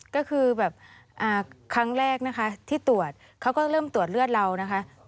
ก็คือแบบครั้งแรกนะคะที่ตรวจเขาก็เริ่มตรวจเลือดเรานะคะ